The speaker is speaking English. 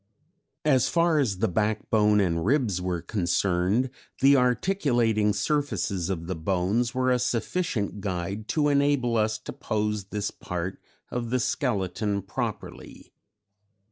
"As far as the backbone and ribs were concerned, the articulating surfaces of the bones were a sufficient guide to enable us to pose this part of the skeleton properly.